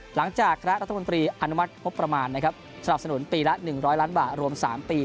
หลังจากคณะรัฐมนตรีอนุมัติงบประมาณนะครับสนับสนุนปีละ๑๐๐ล้านบาทรวม๓ปี